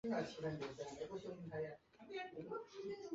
市南端即为富士山的山顶。